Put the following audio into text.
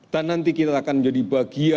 dan nanti kita akan jadi bagiannya